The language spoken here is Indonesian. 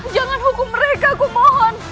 jangan hukum mereka aku mohon